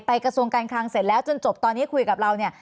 กระทรวงการคลังเสร็จแล้วจนจบตอนนี้คุยกับเราเนี่ย